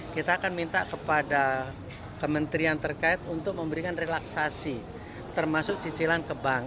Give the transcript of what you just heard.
kita akan minta kepada kementerian terkait untuk memberikan relaksasi termasuk cicilan ke bank